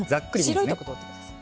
白いとこ取ってください。